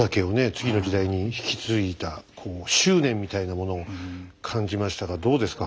次の時代に引き継いだこう執念みたいなものを感じましたがどうですか？